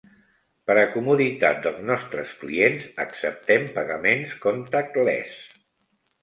Per a comoditat dels nostres clients, acceptem pagaments "contactless".